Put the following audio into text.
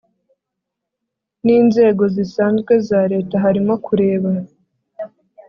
n inzego zisanzwe za Leta harimo kureba